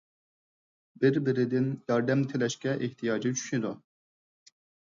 بىر - بىرىدىن ياردەم تىلەشكە ئېھتىياجى چۈشىدۇ.